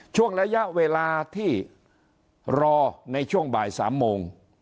ช่วงระยะเวลาที่รอในช่วงบ่าย๓โมง